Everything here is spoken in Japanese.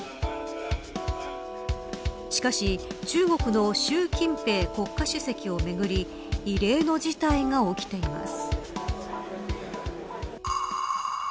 しかし、中国の習近平国家主席をめぐり異例の事態が起きています。